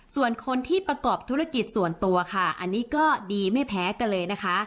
ส่วนคนที่ประกอบธุรกิจส่วนตัวค่ะอันนี้ก็ดีไม่แพ้กันเลยนะคะ